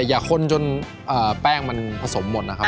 อย่าคนจนแป้งมันผสมหมดนะครับ